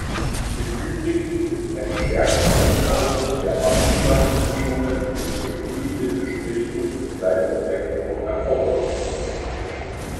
Im Übrigen ist eine stärkere Annäherung der Marktzugangsbedingungen im Textil- und Bekleidungssektor erforderlich.